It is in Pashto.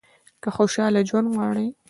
که خوشاله ژوند غواړئ .